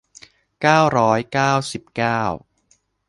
เก้าร้อยเก้าสิบเก้า